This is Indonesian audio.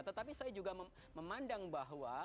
tetapi saya juga memandang bahwa